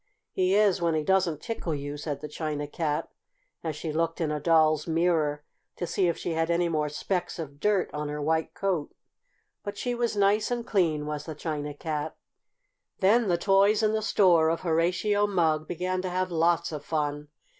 "He is when he doesn't tickle you," said the China Cat, as she looked in a Doll's mirror to see if she had any more specks of dirt on her white coat. But she was nice and clean, was the China Cat. Then the toys in the store of Horatio Mugg began to have lots of fun.